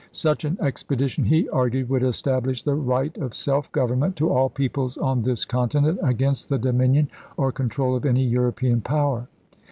Such an expedition, he argued, would establish the "right of self government to all peoples on this 120 ABRAHAM LINCOLN Chap. VI. continent against the dominion or control of any European power."